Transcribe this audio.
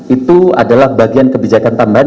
itu adalah bagian kebijakan tambahan